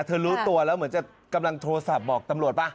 รู้ตัวแล้วเหมือนจะกำลังโทรศัพท์บอกตำรวจป่ะ